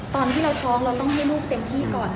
ตอนที่เราท้องเราต้องให้ลูกเต็มที่ก่อน